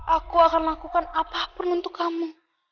aku akan lakukan apa pun untuk kamu